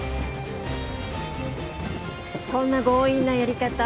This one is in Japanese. こんな強引なやり方